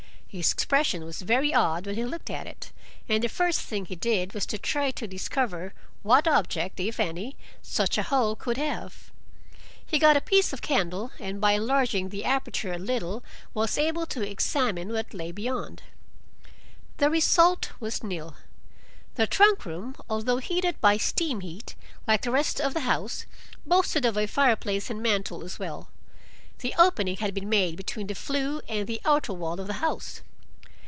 His expression was very odd when he looked at it, and the first thing he did was to try to discover what object, if any, such a hole could have. He got a piece of candle, and by enlarging the aperture a little was able to examine what lay beyond. The result was nil. The trunk room, although heated by steam heat, like the rest of the house, boasted of a fireplace and mantel as well. The opening had been made between the flue and the outer wall of the house.